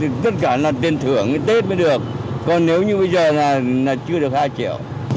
hai triệu rưỡi chưa tất cả là tiền thưởng tết mới được còn nếu như bây giờ là chưa được hai triệu